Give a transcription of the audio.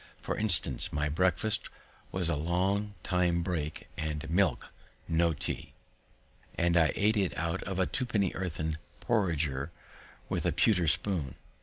For instance, my breakfast was a long time break and milk (no tea), and I ate it out of a twopenny earthen porringer, with a pewter spoon.